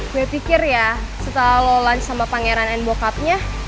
gue pikir ya setelah lo lunch sama pangeran and bokapnya